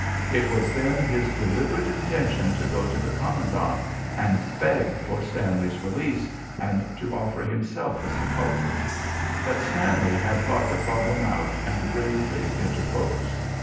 It was then his deliberate intention to go to the commandant and beg for Stanley's release, and to offer himself as the culprit. But Stanley had thought the problem out and gravely interposed.